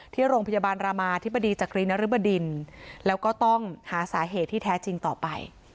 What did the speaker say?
ที่โรงพยาบาลรามาธิบดีจักรีนริบดินแล้วก็ต้องหาสาเหตุที่แท้จริงต่อไป